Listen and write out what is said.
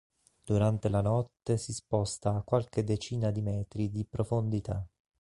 Durante la notte si sposta a qualche decina di metri di profondità.